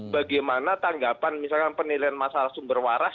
bagaimana tanggapan misalkan penilaian masalah sumber waras